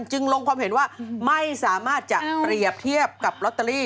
จึงลงความเห็นว่าไม่สามารถจะเปรียบเทียบกับลอตเตอรี่